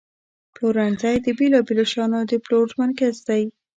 پلورنځی د بیلابیلو شیانو د پلور مرکز دی.